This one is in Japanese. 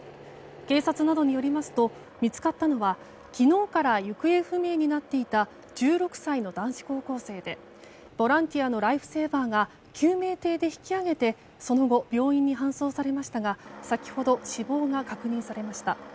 警察などによりますと見つかったのは昨日から行方不明になっていた１６歳の男子高校生でボランティアのライフセーバーが救命艇で引き揚げてその後、病院に搬送されましたが先ほど、死亡が確認されました。